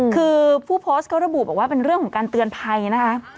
คือผู้โพสต์ก็ระบุบอกว่าเป็นเรื่องของการเตือนภัยนะคะ